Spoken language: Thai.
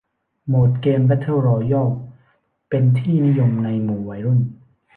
โหมดเกมแเบทเทิลรอยัลเป็นที่นิยมในหมู่วัยรุ่น